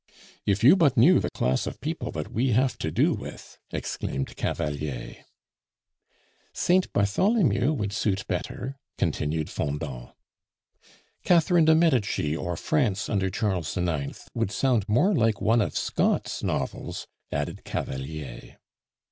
"If you but knew the class of people that we have to do with!" exclaimed Cavalier. "Saint Bartholomew would suit better," continued Fendant. "Catherine de' Medici, or France under Charles IX., would sound more like one of Scott's novels," added Cavalier.